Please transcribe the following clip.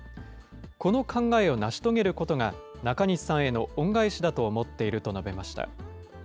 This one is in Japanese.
この考えを成し遂げることが、中西さんへの恩返しだと思っていると述べました。